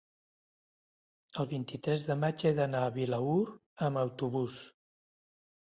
el vint-i-tres de maig he d'anar a Vilaür amb autobús.